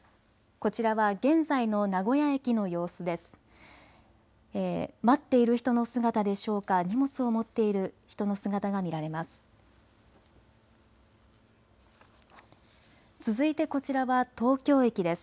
こちらは現在の名古屋駅の様子です。